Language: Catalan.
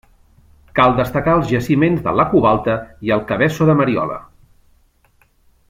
Cal destacar els jaciments de la Covalta i el Cabeço de Mariola.